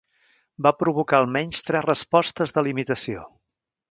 Va provocar al menys tres respostes de limitació.